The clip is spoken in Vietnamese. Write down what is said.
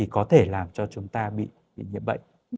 có thể làm cho chúng ta bị nhiễm bệnh